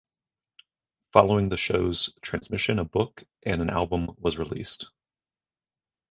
Following the show's transmission, a book and an album was released.